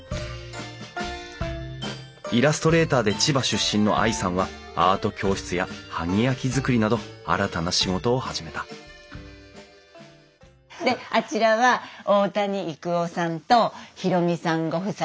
イラストレーターで千葉出身の愛さんはアート教室や萩焼づくりなど新たな仕事を始めたであちらは大谷育男さんと弘美さんご夫妻で。